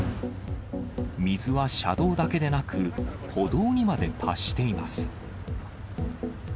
水は車道だけでなく、歩道にまで達しています。